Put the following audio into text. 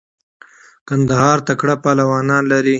قندهار تکړه پهلوانان لری.